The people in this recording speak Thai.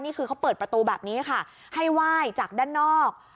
นี่คือเขาเปิดประตูแบบนี้ค่ะให้ไหว้จากด้านนอก